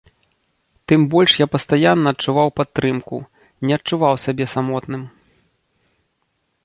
Тым больш я пастаянна адчуваў падтрымку, не адчуваў сябе самотным.